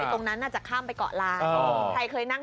ที่ตรงนั้นน่าจะข้ามไปกะล้านใครเคยนั่งน้อย